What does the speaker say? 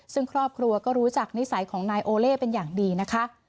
ซึ่งครอบครัวก็รู้จักนิสัยของนายโอเล่เป็นอย่างดีนะคะ